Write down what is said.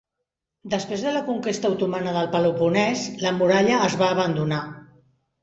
Després de la conquesta otomana del Peloponès, la muralla es va abandonar.